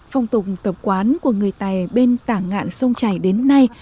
phong tục tập quán của người tài bên tảng ngạn sông chảy đến nay